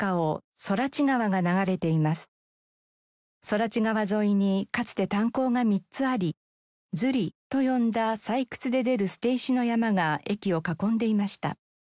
空知川沿いにかつて炭鉱が３つあり「ズリ」と呼んだ採掘で出る捨て石の山が駅を囲んでいました。